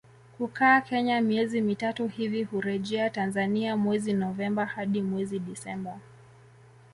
kukaa Kenya miezi mitatu hivi hurejea Tanzania mwezi Novemba hadi mwezi Disemba